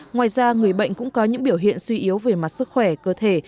ngoài ra người bệnh cũng có những biểu hiện suy yếu về mặt sức khỏe cơ thể